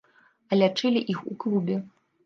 А лячылі іх у клубе.